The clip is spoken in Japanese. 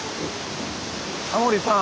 タモリさん。